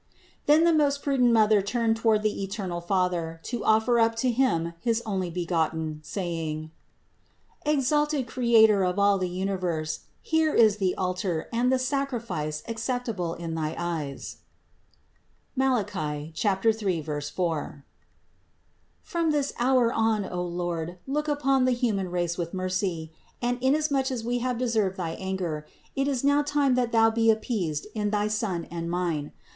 Then the most prudent Mother turned toward the eternal Father to offer up to Him his Onlybegotten, saying: "Exalted Creator of all the Universe, here is the altar and the sac rifice acceptable in thy eyes (Malachy 3, 4). From this hour on, O Lord, look upon the human race with mercy ; and inasmuch as we have deserved thy anger, it is now time that Thou be appeased in thy Son and mine.